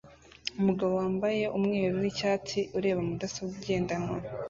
Umugabo wambaye umweru nicyatsi ureba mudasobwa igendanwa